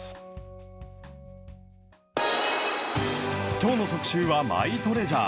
きょうの特集はマイトレジャー。